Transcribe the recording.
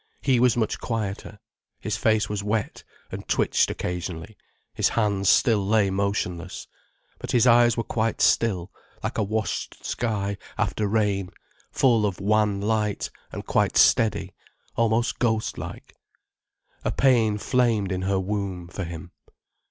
He was much quieter. His face was wet, and twitched occasionally, his hands still lay motionless. But his eyes were quite still, like a washed sky after rain, full of a wan light, and quite steady, almost ghost like. A pain flamed in her womb, for him.